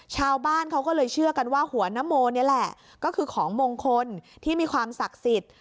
ชาวบ้านเขาก็เลยเชื่อกันว่าหัวนโมนี่แหละก็คือของมงคลที่มีความศักดิ์สิทธิ์